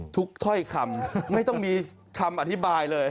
ถ้อยคำไม่ต้องมีคำอธิบายเลย